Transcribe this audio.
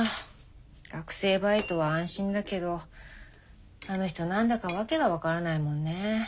学生バイトは安心だけどあの人何だか訳が分からないもんね。